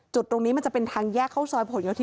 จุดตรงนี้มันจะเป็นทางแยกเข้าซอยเพราะแห่งที่๔๘